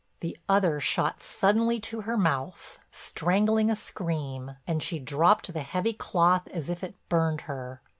The other shot suddenly to her mouth, strangling a scream, and she dropped the heavy cloth as if it burned her.